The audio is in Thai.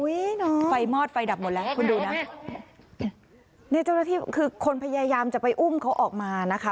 ไฟมอดไฟดับหมดแล้วคุณดูนะเนี่ยเจ้าหน้าที่คือคนพยายามจะไปอุ้มเขาออกมานะคะ